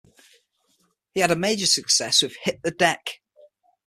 He had a major success with Hit the Deck!